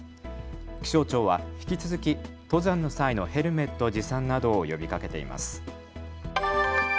気象庁は引き続き登山の際のヘルメット持参などを呼びかけています。